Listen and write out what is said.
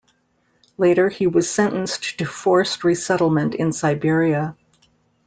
Later he was sentenced to forced resettlement in Siberia.